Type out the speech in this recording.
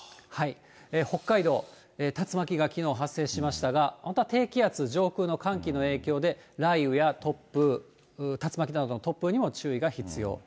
北海道、竜巻がきのう、発生しましたが、また低気圧、上空の寒気の影響で、雷雨や突風、竜巻などの突風にも注意が必要。